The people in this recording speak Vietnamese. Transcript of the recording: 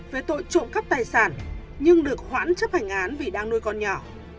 về tội trộm cắp tài sản nhưng được khoản chấp hành án vì đang nuôi con nhỏ